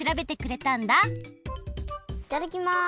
いただきます。